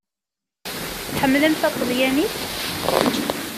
Tḥemmlem taṭelyanit?